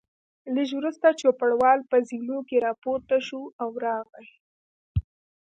لږ وروسته چوپړوال په زینو کې راپورته شو او راغی.